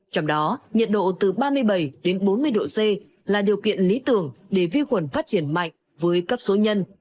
trong đó nhiệt độ từ ba mươi bảy đến bốn mươi độ c là điều kiện lý tưởng để vi khuẩn phát triển mạnh với cấp số nhân